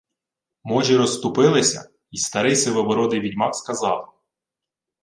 Можі розступилися, й старий сивобородий відьмак сказав: